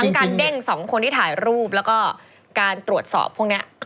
การเด้งสองคนที่ถ่ายรูปแล้วก็การตรวจสอบพวกนี้